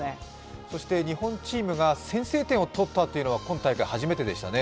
そして日本チームが先制点をとったというのは今大会初めてでしたね。